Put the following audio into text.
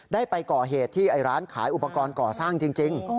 ได้ไปก่อเหตุที่ร้านขายอุปกรณ์ก่อสร้างจริง